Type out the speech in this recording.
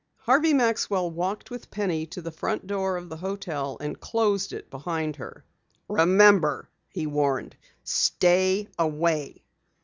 Harvey Maxwell walked with Penny to the front door of the hotel and closed it behind her. "Remember," he warned, "stay away."